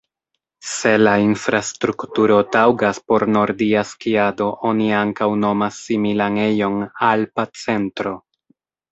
Se la infrastrukturo taŭgas por nordia skiado oni ankaŭ nomas similan ejon "alpa centro".